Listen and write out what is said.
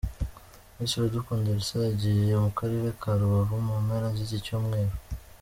Miss Iradukunda Elsa yagiye mu Karere ka Rubavu mu mpera z’iki cyumweru.